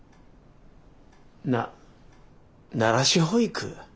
なならし保育？